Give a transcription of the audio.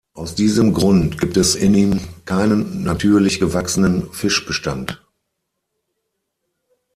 Aus diesem Grund gibt es in ihm keinen natürlich gewachsenen Fischbestand.